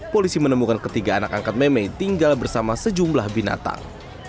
polisi menemukan ketiga anak angkat meme tinggal bersama sejumlah binatang